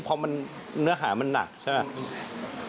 เพราะเนื้อหามันหนักใช่ไหม